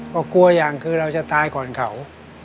ก็กลัวอย่างคือเราจะตายก่อนเขา